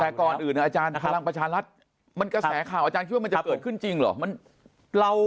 แต่ก่อนอื่นอาจารย์พลังประชารัฐมันกระแสข่าวอาจารย์คิดว่ามันจะเกิดขึ้นจริงเหรอ